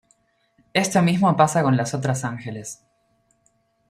Esto mismo pasa con las otras ángeles.